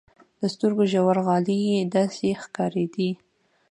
د سترګو ژورغالي يې داسې ښکارېدې.